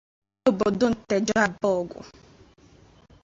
ndị obodo Nteje Abọgụ